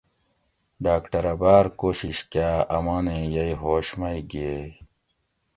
ڈاکٹرہ باۤر کوشش کاۤ امانیں یئی ہوش مئی گِھیئے